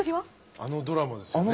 あのドラマですよね？